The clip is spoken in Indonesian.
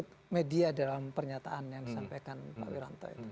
apa yang dimaksud media dalam pernyataan yang disampaikan pak wiranto itu